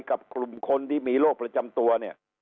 กับกลุ่มคนที่มีโรคประจำตัวเนี่ย